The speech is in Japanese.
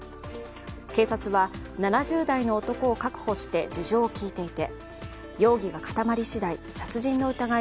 警察は、７０代の男を確保して事情を聴いていて、容疑が固まりしだい